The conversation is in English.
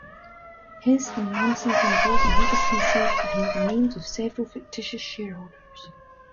His and Manson's involvement is concealed behind the names of several fictitious shareholders.